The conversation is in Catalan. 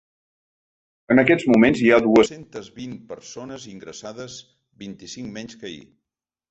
En aquests moments hi ha dues-centes vint persones ingressades, vint-i-cinc menys que ahir.